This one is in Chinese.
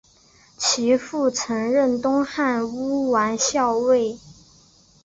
其父曾任东汉乌丸校尉。